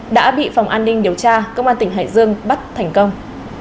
đã bị phòng an ninh điều tra công an tỉnh hải dương bắt thành công